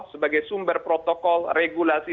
sebagai sumber protokol regulasi